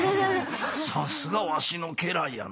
さすがわしの家来やな。